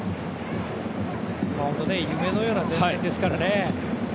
夢のような前線ですからね。